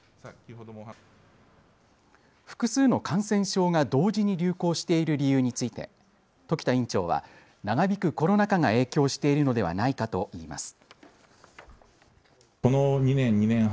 複数の感染症が同時に流行している理由について時田院長は長引くコロナ禍が影響しているのではないかといいます。